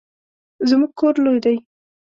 زموږ کور لوی دی